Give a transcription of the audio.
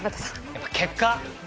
やっぱ結果